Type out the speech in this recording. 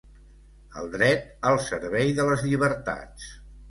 El dret, al servei de les llibertats